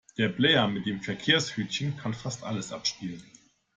Der Player mit dem Verkehrshütchen kann fast alles abspielen.